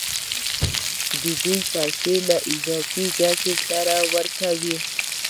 دوی پیسې له اضافي ګټې سره ورکوي